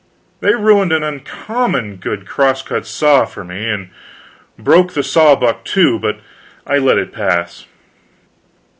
They ruined an uncommon good old cross cut saw for me, and broke the saw buck, too, but I let it pass.